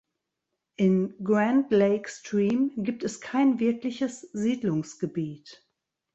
In Grand Lake Stream gibt es kein wirkliches Siedlungsgebiet.